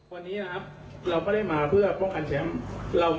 วันนี้เราก็ได้มาเพื่อเพาะคันแชมป์